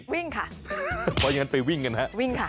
อ้าวซักอย่างเดี๋ยวไปวิ่งกันนะ